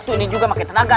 tuh ini juga makin tenaga